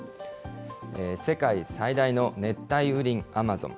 世界最大の熱帯雨林、アマゾン。